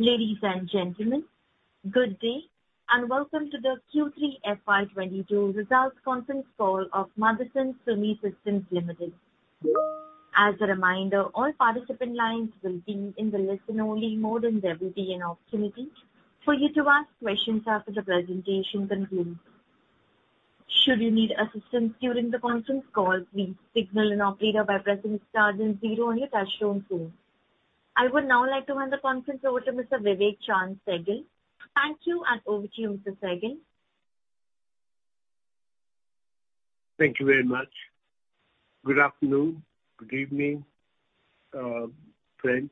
Ladies and gentlemen, good day, and welcome to the Q3 FY 2022 results conference call of Motherson Sumi Systems Limited. As a reminder, all participant lines will be in the listen-only mode, and there will be an opportunity for you to ask questions after the presentation concludes. Should you need assistance during the conference call, please signal an operator by pressing star then zero on your touchtone phone. I would now like to hand the conference over to Mr. Vivek Chaand Sehgal. Thank you, and over to you, Mr. Sehgal. Thank you very much. Good afternoon, good evening, friends.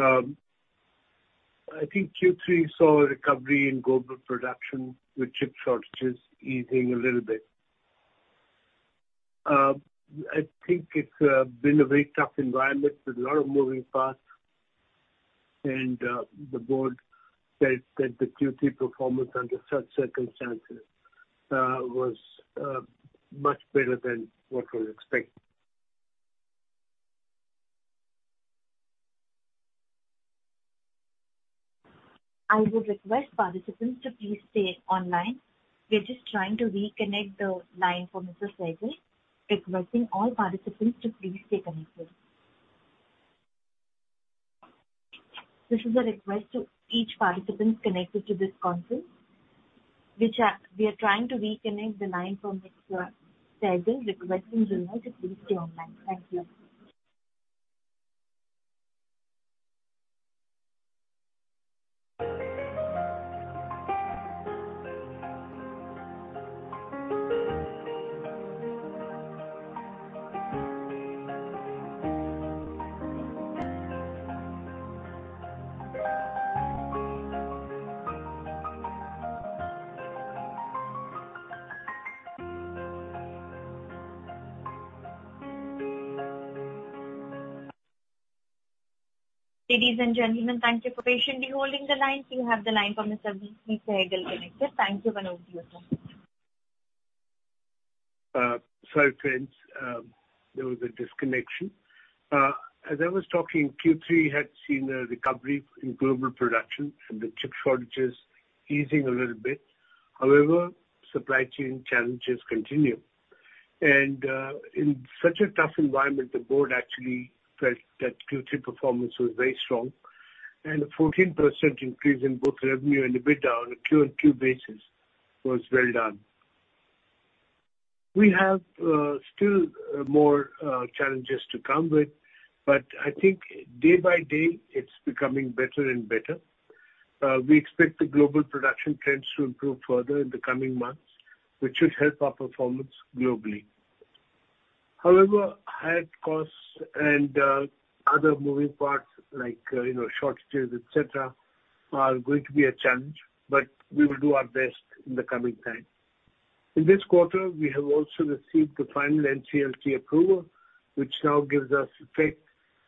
I think Q3 saw a recovery in global production with chip shortages easing a little bit. I think it's been a very tough environment with a lot of moving parts, and the board said that the Q3 performance under such circumstances was much better than what was expected. Ladies and gentlemen, thank you for patiently holding the line. You have the line from Mr. Vivek Chaand Sehgal connected. Thank you, and over to you, sir. Sorry, friends, there was a disconnection. As I was talking, Q3 had seen a recovery in global production and the chip shortages easing a little bit. However, supply chain challenges continue. In such a tough environment, the board actually felt that Q3 performance was very strong. A 14% increase in both revenue and EBITDA on a QOQ basis was well done. We have still more challenges to come with, but I think day by day it's becoming better and better. We expect the global production trends to improve further in the coming months, which should help our performance globally. However, higher costs and other moving parts like, you know, shortages, et cetera, are going to be a challenge, but we will do our best in the coming time. In this quarter, we have also received the final NCLT approval, which now gives us effect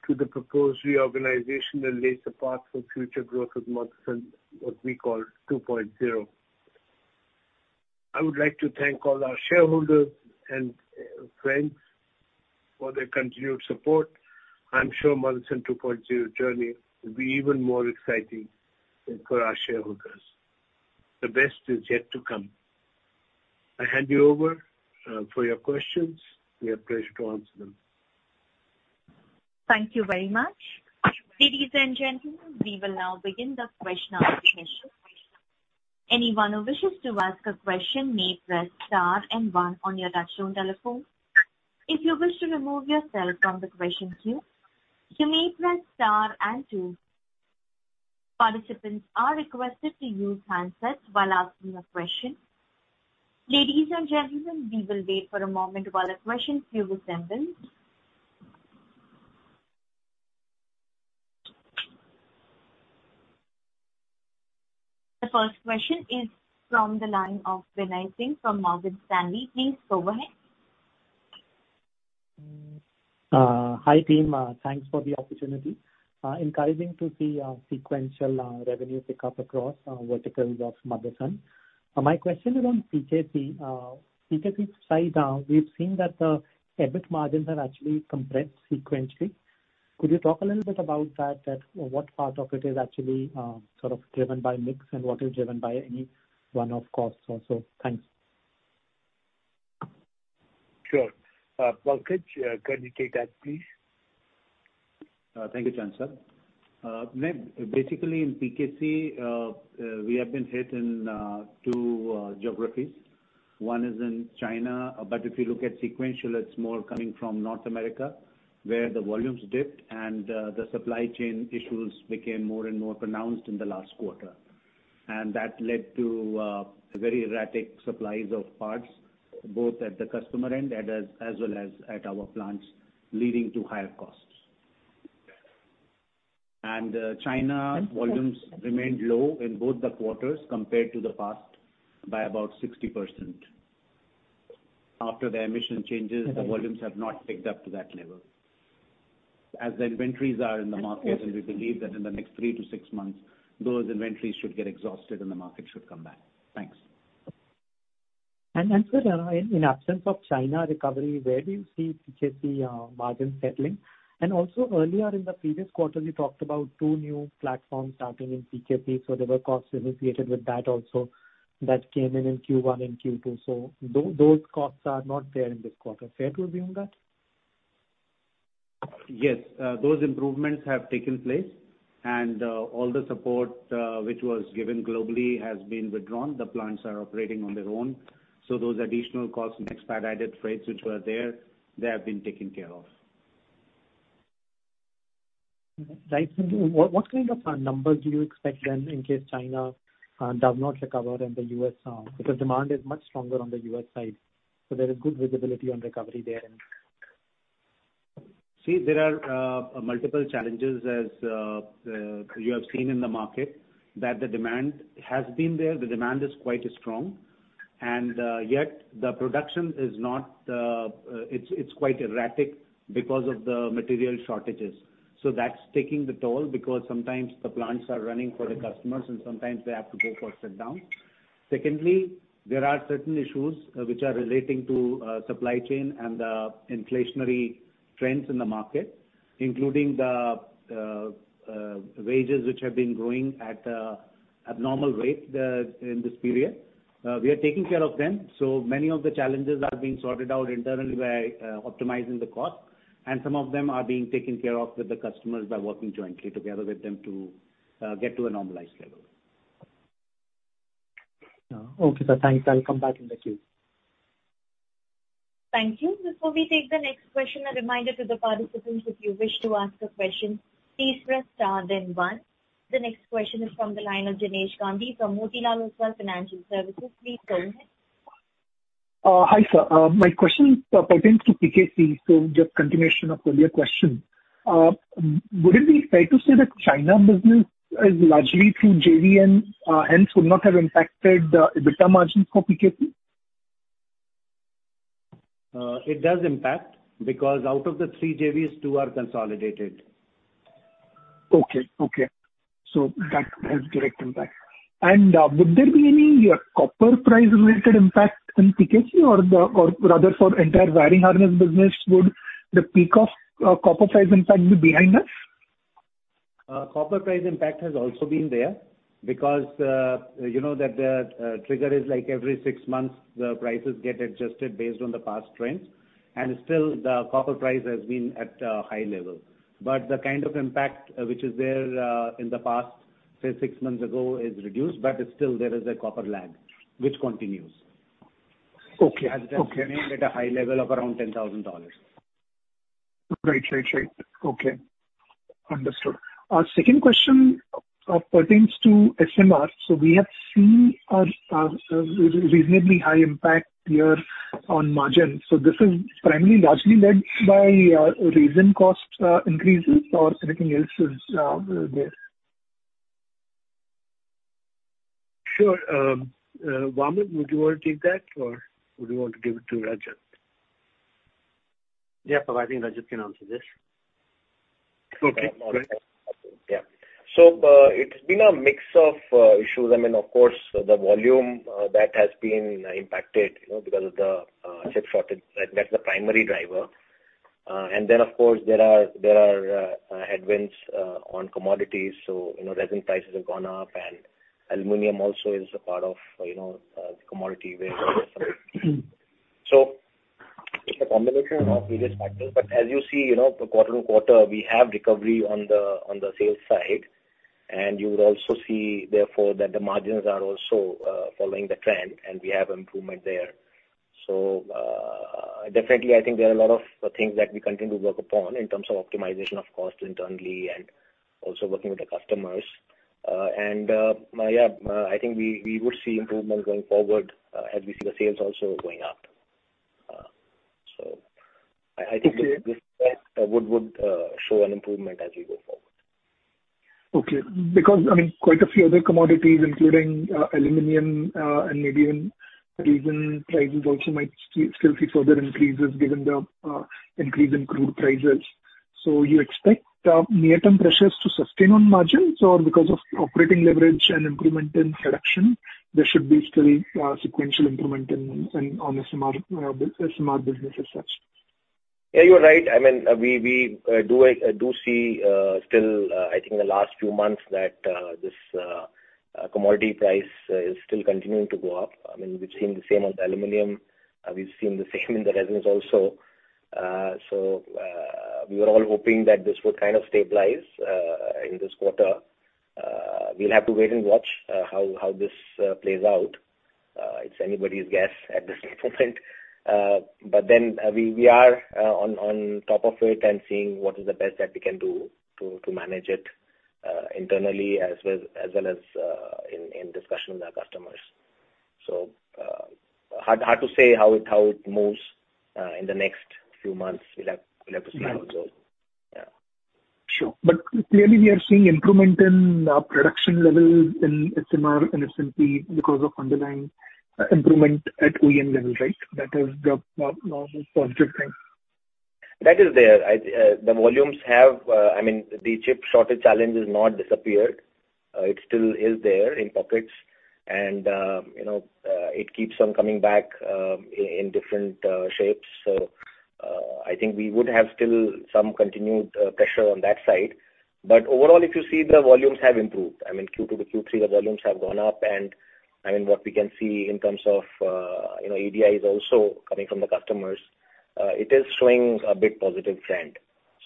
to the proposed reorganization and lays the path for future growth of Motherson, what we call 2.0. I would like to thank all our shareholders and friends for their continued support. I'm sure Motherson 2.0 journey will be even more exciting for our shareholders. The best is yet to come. I hand you over for your questions. We are pleased to answer them. Thank you very much. Ladies and gentlemen, we will now begin the question-and-answer session. Anyone who wishes to ask a question may press star and one on your touchtone telephone. If you wish to remove yourself from the question queue, you may press star and two. Participants are requested to use handsets while asking a question. Ladies and gentlemen, we will wait for a moment while the question queue assembles. The first question is from the line of Binay Singh from Morgan Stanley. Please go ahead. Hi, team. Thanks for the opportunity. Encouraging to see sequential revenue pick up across verticals of Motherson. My question is on PKC. PKC's size is down. We've seen that the EBIT margins have actually compressed sequentially. Could you talk a little bit about that, what part of it is actually sort of driven by mix and what is driven by any one-off costs also? Thanks. Sure. Pankaj Mital, can you take that, please? Thank you, Chaand, sir. Binay, basically in PKC, we have been hit in two geographies. One is in China, but if you look at sequential, it's more coming from North America, where the volumes dipped and the supply chain issues became more and more pronounced in the last quarter. That led to very erratic supplies of parts, both at the customer end and as well as at our plants, leading to higher costs. China volumes remained low in both the quarters compared to the past by about 60%. After the emission changes, the volumes have not picked up to that level. As the inventories are in the market, and we believe that in the next three to six months, those inventories should get exhausted and the market should come back. Thanks. Sir, in absence of China recovery, where do you see PKC margin settling? Also earlier in the previous quarter, you talked about two new platforms starting in PKC, so there were costs associated with that also that came in Q1 and Q2. Those costs are not there in this quarter. Fair to assume that? Yes, those improvements have taken place, and all the support which was given globally has been withdrawn. The plants are operating on their own. Those additional costs and expedited freights which were there, they have been taken care of. Right. What kind of numbers do you expect then in case China does not recover and the U.S., because demand is much stronger on the U.S. side, so there is good visibility on recovery there? See, there are multiple challenges as you have seen in the market, that the demand has been there, the demand is quite strong. Yet the production is not, it's quite erratic because of the material shortages. That's taking the toll because sometimes the plants are running for the customers and sometimes they have to go for sit down. Secondly, there are certain issues, which are relating to supply chain and inflationary trends in the market, including the wages which have been growing at abnormal rate in this period. We are taking care of them. Many of the challenges are being sorted out internally by optimizing the cost, and some of them are being taken care of with the customers by working jointly together with them to get to a normalized level. Okay, sir. Thanks. I'll come back in the queue. Thank you. Before we take the next question, a reminder to the participants, if you wish to ask a question, please press star then one. The next question is from the line of Jinesh Gandhi from Motilal Oswal Financial Services. Please go ahead. Hi, sir. My question pertains to PKC. Just continuation of earlier question. Would it be fair to say that China business is largely through JVs, and would not have impacted the EBITDA margins for PKC? It does impact because out of the three JVs, two are consolidated. That has direct impact. Would there be any copper price related impact in PKC or rather for entire wiring harness business? Would the peak of copper price impact be behind us? Copper price impact has also been there because, you know that the, trigger is like every six months, the prices get adjusted based on the past trends. Still the copper price has been at a high level. The kind of impact which is there, in the past, say six months ago, is reduced, but still there is a copper lag which continues. As they remain at a high level of around $10,000. Right. Okay. Understood. Second question pertains to SMR. We have seen a reasonably high impact here on margins. This is primarily largely led by resin cost increases or anything else is there? Sure. Vivek, would you want to take that or would you want to give it to Rajat? Yeah. I think Rajat can answer this. Okay, great. Yeah. It's been a mix of issues. I mean, of course, the volume that has been impacted, you know, because of the chip shortage. That's the primary driver. Then of course, there are headwinds on commodities. You know, resin prices have gone up, and aluminum also is a part of, you know, the commodity wave. It's a combination of various factors. As you see, you know, quarter-on-quarter, we have recovery on the sales side. You would also see therefore that the margins are also following the trend and we have improvement there. Definitely I think there are a lot of things that we continue to work upon in terms of optimization of cost internally and also working with the customers. I think we would see improvement going forward, as we see the sales also going up. I think this would show an improvement as we go forward. Okay. Because, I mean, quite a few other commodities, including aluminum, and maybe even resin prices also might still see further increases given the increase in crude prices. You expect near-term pressures to sustain on margins or because of operating leverage and improvement in production, there should be still sequential improvement in SMR business as such? Yeah, you are right. I mean, we do see still I think in the last few months that this commodity price is still continuing to go up. I mean, we've seen the same on the aluminum. We've seen the same in the resins also. We were all hoping that this would kind of stabilize in this quarter. We'll have to wait and watch how this plays out. It's anybody's guess at this point. We are on top of it and seeing what is the best that we can do to manage it internally as well as in discussion with our customers. Hard to say how it moves in the next few months. We'll have to see how it goes. Yeah. Sure. Clearly we are seeing improvement in production levels in SMR and SMP because of underlying improvement at OEM level, right? That is the positive thing. The volumes have, I mean, the chip shortage challenge has not disappeared. It still is there in pockets and, you know, it keeps on coming back in different shapes. I think we would have still some continued pressure on that side. Overall, if you see the volumes have improved. I mean, Q2 to Q3, the volumes have gone up and, I mean, what we can see in terms of EDI is also coming from the customers. It is showing a bit positive trend.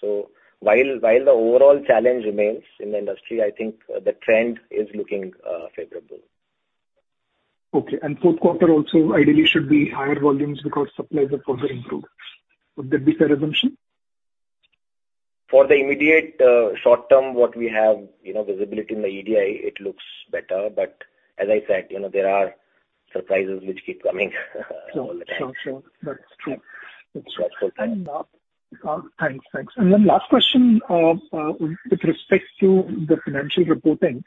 While the overall challenge remains in the industry, I think the trend is looking favorable. Okay. Fourth quarter also ideally should be higher volumes because supplies have further improved. Would that be a fair assumption? For the immediate, short-term, what we have, you know, visibility in the EDI, it looks better. As I said, you know, there are surprises which keep coming all the time. Sure. That's true. It's thoughtful time. Thanks. Last question with respect to the financial reporting.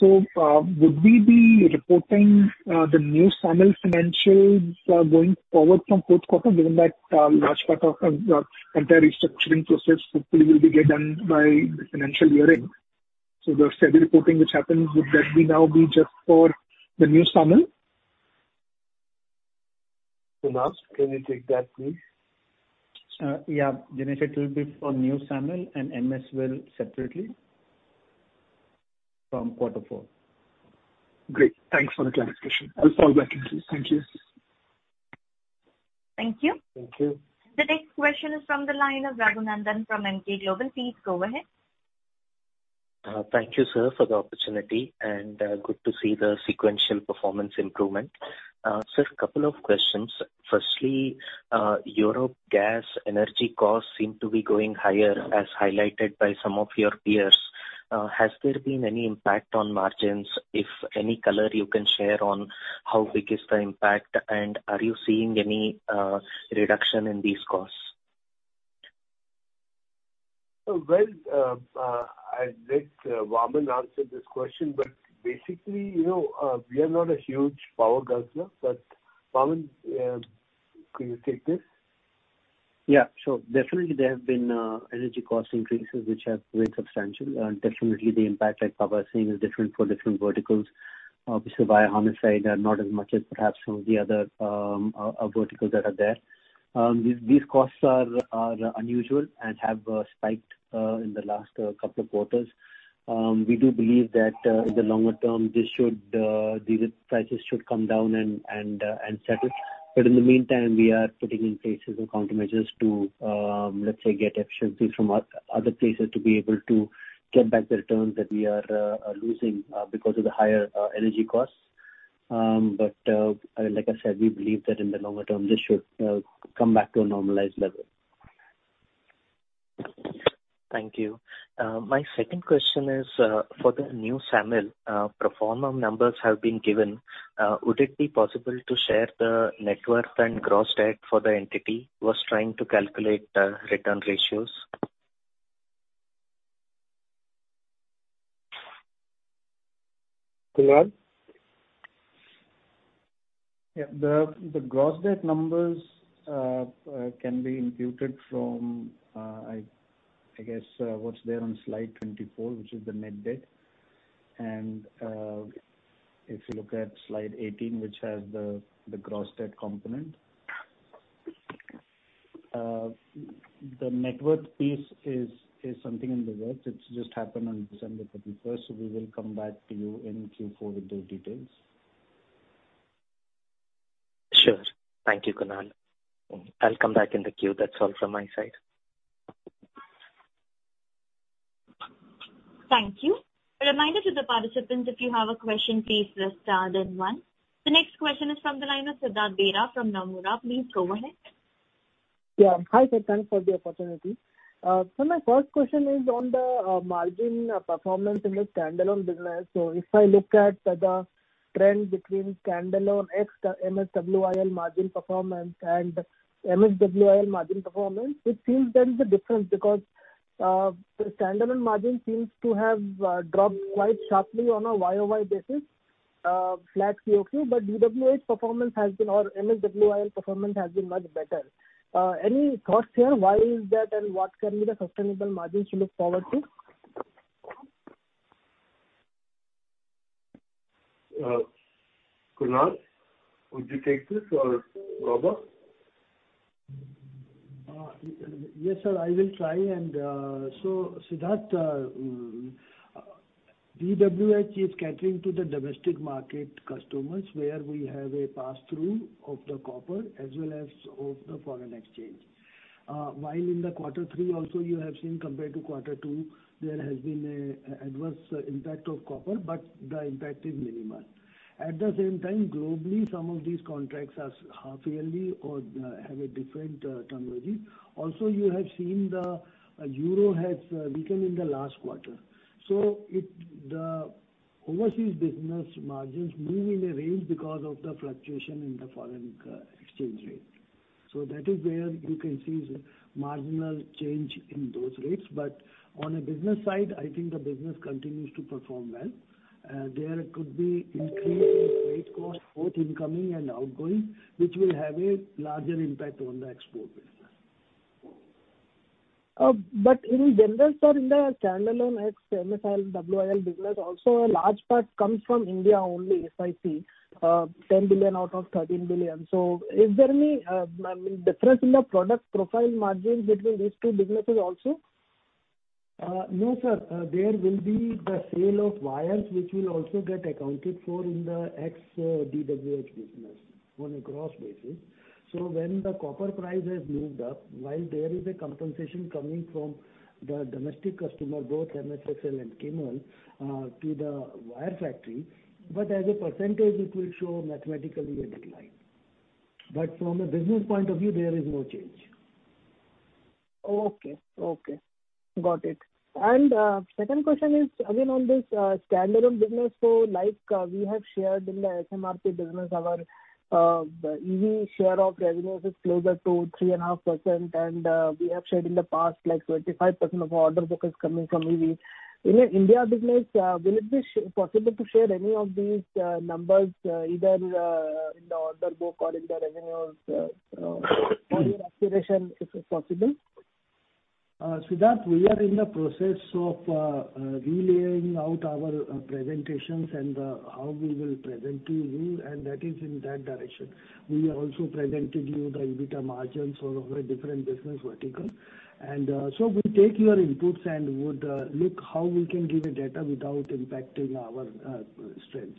Would we be reporting the new SAMIL financials going forward from fourth quarter, given that large part of entire restructuring process hopefully will be get done by the financial year end? The steady reporting which happens, would that be now just for the new SAMIL? Kunal, can you take that please? Jinesh, it will be for new SAMIL and MSWIL separately from quarter four. Great. Thanks for the clarification. I'll fall back in queue. Thank you. Thank you. Thank you. The next question is from the line of Raghunandhan from Emkay Global. Please go ahead. Thank you, sir, for the opportunity, and good to see the sequential performance improvement. Sir, couple of questions. Firstly, Europe gas energy costs seem to be going higher as highlighted by some of your peers. Has there been any impact on margins? If any color you can share on how big is the impact, and are you seeing any reduction in these costs? Well, I'll let Vaaman answer this question, but basically, you know, we are not a huge power guzzler. Vaaman, can you take this? Yeah, sure. Definitely there have been energy cost increases which have been substantial. Definitely the impact like Pankaj is saying is different for different verticals. [Obviously, bio pharma side] not as much as perhaps some of the other verticals that are there. These costs are unusual and have spiked in the last couple of quarters. We do believe that in the longer-term these prices should come down and settle. In the meantime, we are putting in place countermeasures to let's say get efficiency from other places to be able to get back the returns that we are losing because of the higher energy costs. Like I said, we believe that in the longer-term, this should come back to a normalized level. Thank you. My second question is, for the new SAMIL, pro forma numbers have been given. Would it be possible to share the net worth and gross debt for the entity? I was trying to calculate the return ratios. Kunal? Yeah. The gross debt numbers can be imputed from, I guess, what's there on slide 24, which is the net debt. If you look at slide 18, which has the gross debt component. The net worth piece is something in the works. It's just happened on December 31st. We will come back to you in Q4 with the details. Sure. Thank you, Kunal. I'll come back in the queue. That's all from my side. Thank you. A reminder to the participants, if you have a question, please press star then one. The next question is from the line of Siddhartha Bera from Nomura. Please go ahead. Yeah. Hi, sir. Thanks for the opportunity. My first question is on the margin performance in the standalone business. If I look at the trend between standalone ex-MSWIL margin performance and MSWIL margin performance, it seems there is a difference because the standalone margin seems to have dropped quite sharply on a YOY basis, flat QOQ. DWH performance has been or MSWIL performance has been much better. Any thoughts here, why is that, and what can be the sustainable margin to look forward to? Kunal, would you take this or Vaaman? Yes, sir, I will try. Siddhartha, DWH is catering to the domestic market customers, where we have a pass-through of the copper as well as of the foreign exchange. While in quarter three also you have seen compared to quarter two, there has been an adverse impact of copper, but the impact is minimal. At the same time, globally, some of these contracts are half-yearly or have a different terminology. Also, you have seen the euro has weakened in the last quarter. The overseas business margins move in a range because of the fluctuation in the foreign exchange rate. That is where you can see some marginal change in those rates. On a business side, I think the business continues to perform well. There could be increase in freight cost, both incoming and outgoing, which will have a larger impact on the export business. In general, sir, in the standalone ex-MSSL, MSWIL business also, a large part comes from India only, if I see, 10 billion out of 13 billion. Is there any, I mean, difference in the product profile margins between these two businesses also? No, sir. There will be the sale of wires which will also get accounted for in the ex-DWH business on a gross basis. When the copper price has moved up, while there is a compensation coming from the domestic customer, both MSSL and KIML, to the wire factory, but as a percentage it will show mathematically a decline. From a business point of view, there is no change. Okay. Got it. Second question is again on this standalone business. Like, we have shared in the SMRP business, our EV share of revenues is closer to 3.5%, and we have said in the past, like, 25% of our order book is coming from EV. In your India business, will it be possible to share any of these numbers or your aspiration, if possible? Siddhartha, we are in the process of relaying out our presentations and how we will present to you, and that is in that direction. We also presented you the EBITDA margins of our different business vertical. We take your inputs and would look how we can give the data without impacting our strengths.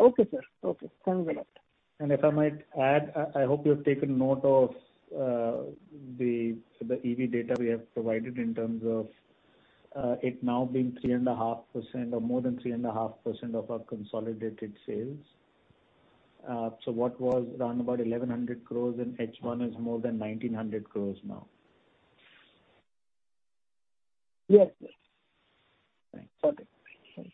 Okay, sir. Okay. Thanks a lot. If I might add, I hope you have taken note of the EV data we have provided in terms of it now being 3.5% or more than 3.5% of our consolidated sales. What was around about 1,100 crores in H1 is more than 1,900 crores now. Yes. Got it. Thanks.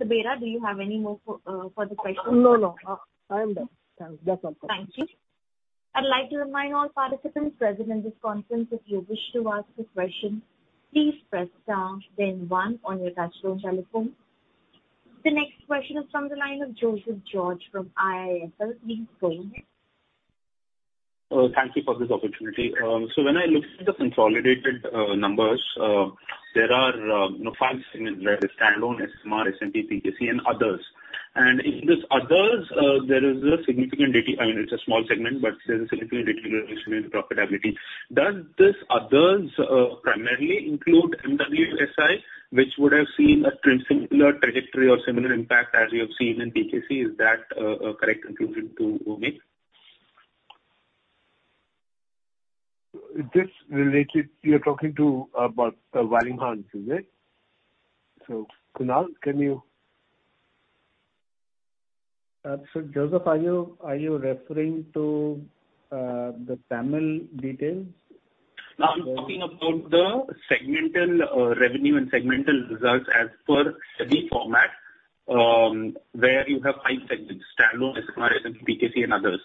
Mr. Bera, do you have any more for further questions? No, no. I am done. Thank you. That's all. Thank you. I'd like to remind all participants present in this conference, if you wish to ask a question, please press star then one on your touchtone telephone. The next question is from the line of Joseph George from IIFL. Please go ahead. Thank you for this opportunity. When I look at the consolidated numbers, there are, you know, five segments, there is standalone SMR, S&T, PKC and others. In this others, there is a significant, I mean, it's a small segment, but there's a significant deterioration in profitability. Does this others primarily include MWSI, which would have seen a pretty similar trajectory or similar impact as you have seen in PKC? Is that a correct conclusion to make? You're talking about the wiring harness, is it? Kunal, can you? Joseph, are you referring to the PAML details? No, I'm talking about the segmental revenue and segmental results as per the format where you have five segments: standalone SMR, S&T, PKC and others.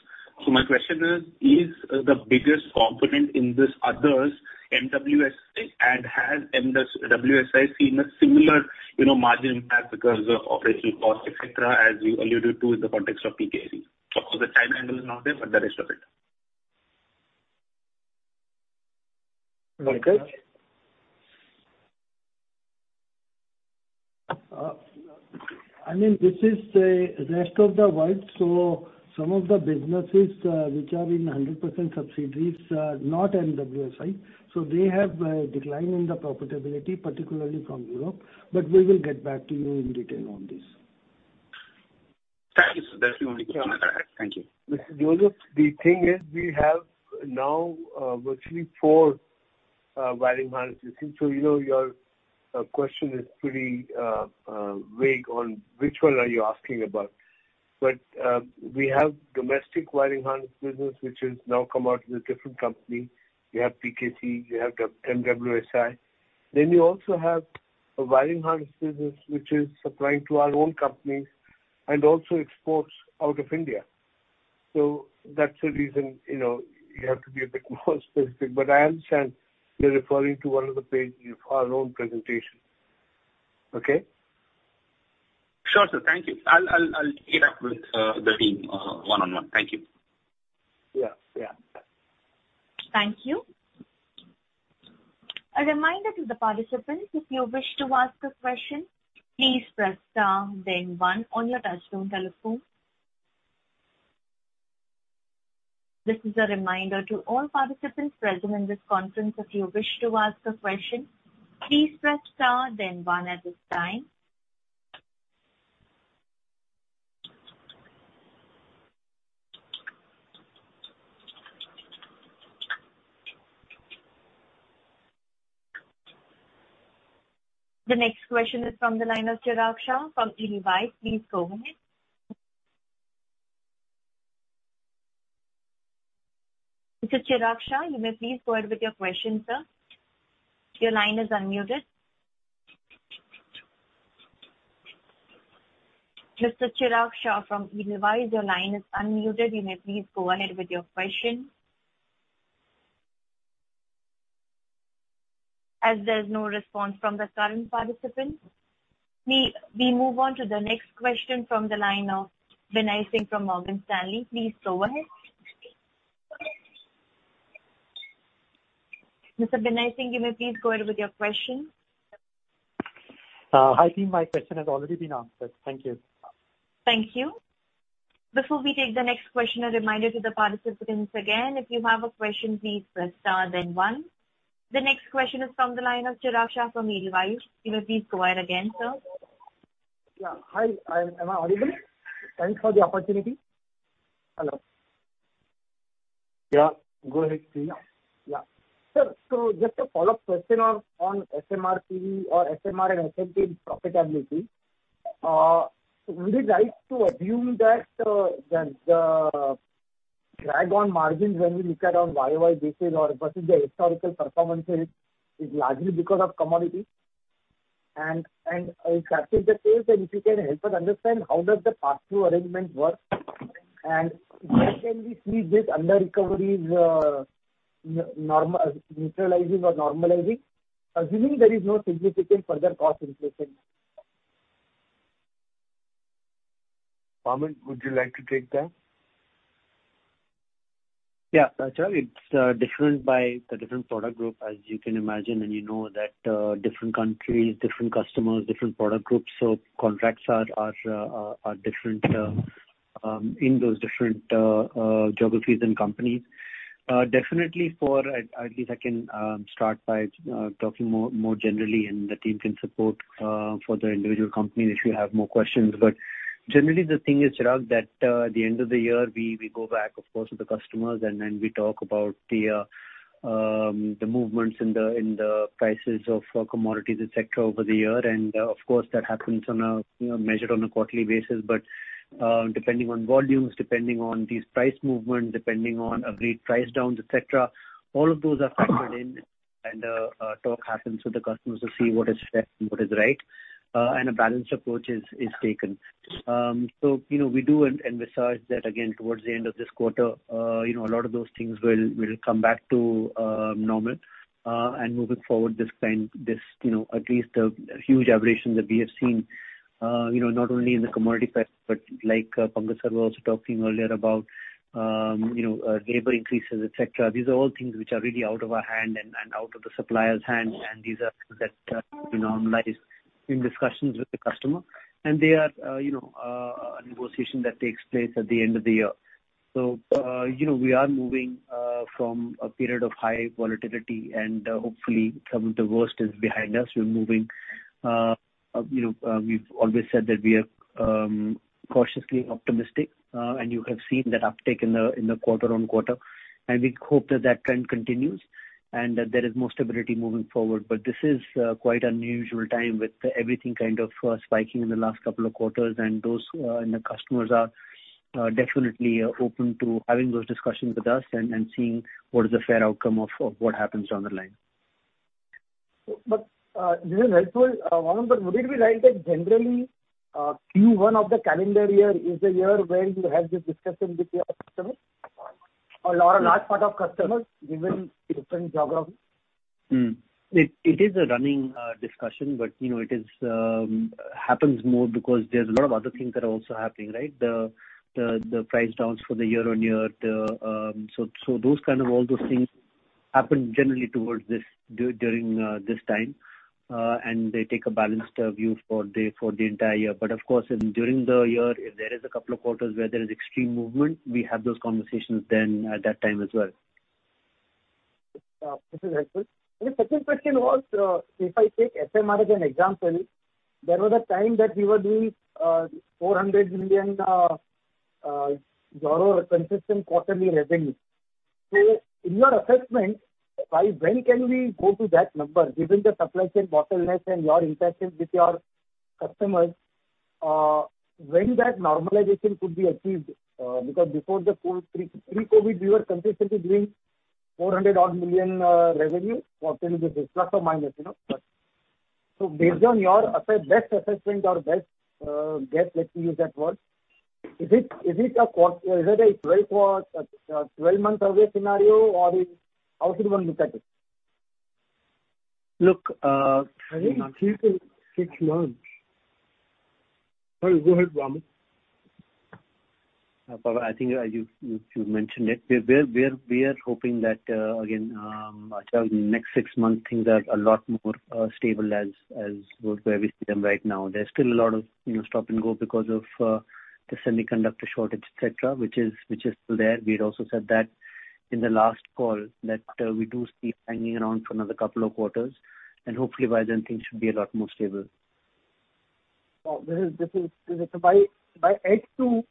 My question is the biggest component in this others MWSI and has MWSI seen a similar, you know, margin impact because of operating costs, etc., as you alluded to in the context of PKC? Of course, the time angle is not there, but the rest of it. I mean, this is the rest of the world, so some of the businesses, which are in 100% subsidiaries are not MWSI. They have a decline in the profitability, particularly from Europe. We will get back to you in detail on this. Thank you, sir. That's the only question I had. Thank you. Mr. Joseph, the thing is, we have now virtually 4 wiring harness systems. You know, your question is pretty vague on which one are you asking about. We have domestic wiring harness business, which has now come out as a different company. We have PKC, we have MWSI. You also have a wiring harness business which is supplying to our own companies and also exports out of India. That's the reason, you know, you have to be a bit more specific, but I understand you're referring to one of the pages of our own presentation. Okay. Sure, sir. Thank you. I'll take it up with the team one-on-one. Thank you. Yeah. Yeah. Thank you. A reminder to the participants, if you wish to ask a question, please press star then one on your touchtone telephone. This is a reminder to all participants present in this conference, if you wish to ask a question, please press star then one at this time. The next question is from the line of Chirag Shah from Edelweiss. Please go ahead. Mr. Chirag Shah, you may please go ahead with your question, sir. Your line is unmuted. Mr. Chirag Shah from Edelweiss, your line is unmuted. You may please go ahead with your question. As there's no response from the current participant, we move on to the next question from the line of Binay Singh from Morgan Stanley. Please go ahead. Mr. Binay Singh, you may please go ahead with your question. Hi team, my question has already been answered. Thank you. Thank you. Before we take the next question, a reminder to the participants again. If you have a question, please press star then one. The next question is from the line of Chirag Shah from Edelweiss. You may please go ahead again, sir. Yeah. Hi. Am I audible? Thanks for the opportunity. Hello. Yeah. Go ahead, please. Yeah. Sir, so just a follow-up question on SMR and SMP profitability. Would it be right to assume that the drag on margins when we look at on YOY basis or versus the historical performance is largely because of commodities? If that is the case, then if you can help us understand how does the pass-through arrangement work? When can we see these underrecoveries neutralizing or normalizing, assuming there is no significant further cost inflation? Vaaman, would you like to take that? Yeah, sure. It's different by the different product group, as you can imagine. You know that different countries, different customers, different product groups, so contracts are different in those different geographies and companies. Definitely, I guess I can start by talking more generally, and the team can support for the individual companies if you have more questions. Generally the thing is, Chirag, that at the end of the year, we go back of course to the customers and then we talk about the movements in the prices of commodities etc. over the year. Of course, that happens on an annual basis, measured on a quarterly basis. Depending on volumes, depending on these price movements, depending on agreed price downs et cetera, all of those are factored in and a talk happens with the customers to see what is left and what is right, and a balanced approach is taken. You know, we do and massage that again towards the end of this quarter. You know, a lot of those things will come back to normal. Moving forward this time, you know, at least a huge aberration that we have seen, you know, not only in the commodity price, but like, Pankaj sir was also talking earlier about, you know, labor increases etc. These are all things which are really out of our hand and out of the supplier's hand, and these are things that, you know, normalize in discussions with the customer. They are, you know, a negotiation that takes place at the end of the year. We are moving from a period of high volatility, and hopefully some of the worst is behind us. We're moving, you know, we've always said that we are cautiously optimistic. You have seen that uptick in the quarter-on-quarter. We hope that that trend continues, and that there is more stability moving forward. This is quite unusual time with everything kind of spiking in the last couple of quarters. Those and the customers are definitely open to having those discussions with us and seeing what is the fair outcome of what happens down the line. This is helpful, Vaaman, but would it be right that generally, Q1 of the calendar year is the year when you have these discussions with your customers or a large part of customers given different geography? It is a running discussion, but you know, it happens more because there's a lot of other things that are also happening, right? The price downs for the year-on-year, so those kind of all those things happen generally towards this during this time. They take a balanced view for the entire year. But of course, during the year, if there is a couple of quarters where there is extreme movement, we have those conversations then at that time as well. This is helpful. The second question was, if I take SMR as an example, there was a time that we were doing 400 million euro consistent quarterly revenue. In your assessment, by when can we go to that number given the supply chain bottleneck and your interactions with your customers, when that normalization could be achieved? Because before the COVID, pre-COVID, we were consistently doing 400 million revenue quarterly basis, plus or minus, you know. Based on your best assessment or best guess, let me use that word, is it a 12-month away scenario, or how should one look at it? I think three to six months. Sorry, go ahead, Vaaman. Pankaj, I think as you mentioned it, we are hoping that, again, the next six months things are a lot more stable as both where we see them right now. There's still a lot of, you know, stop and go because of the semiconductor shortage et cetera, which is still there. We had also said that in the last call that we do see it hanging around for another couple of quarters. Hopefully by then things should be a lot more stable. By H2,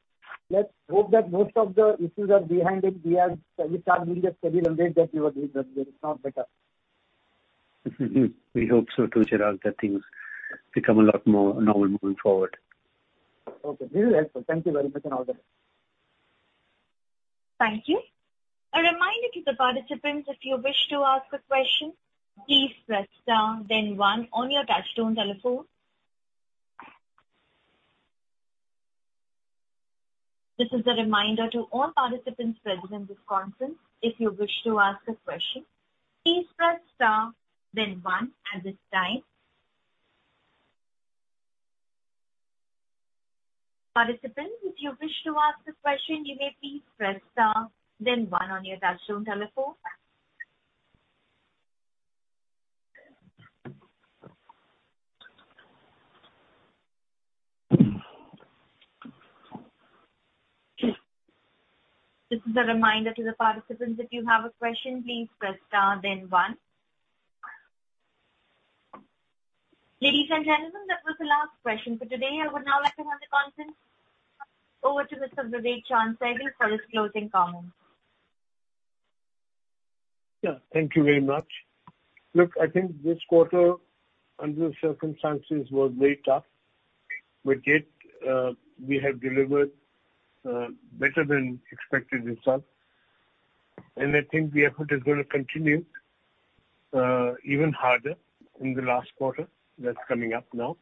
let's hope that most of the issues are behind us. We can build a schedule and rate that you are doing that it's now better. We hope so too, Chirag, that things become a lot more normal moving forward. Okay. This is helpful. Thank you very much and all the best. A reminder to participants, if you wish to ask a question please press star then one on your touchtone telephone. This is a reminder to all participants present in the conference, if you wish to ask a question, please press star then one at this time. Participants, if you wish to ask a question you may press star then one on your touchtone telephone. Ladies and gentlemen, that was the last question for today. I would now like to hand the conference over to Mr. Vivek Chaand Sehgal for his closing comments. Yeah. Thank you very much. Look, I think this quarter under the circumstances was very tough, but yet, we have delivered better than expected results. I think the effort is going to continue even harder in the last quarter that's coming up now.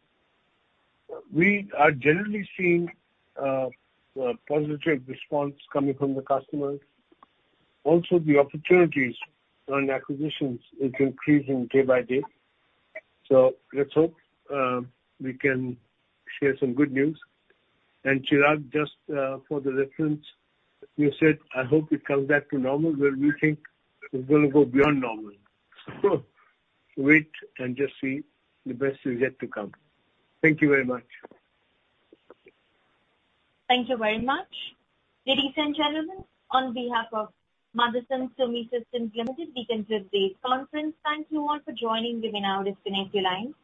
We are generally seeing positive response coming from the customers. Also the opportunities on acquisitions is increasing day by day. Let's hope we can share some good news. Chirag, just for the reference you said, I hope it comes back to normal. Well we think it will go beyond normal. Wait and just see. The best is yet to come. Thank you very much. Thank you very much. Ladies and gentlemen, on behalf of Motherson Sumi Systems Limited, we conclude this conference. Thank you all for joining. You may now disconnect your lines.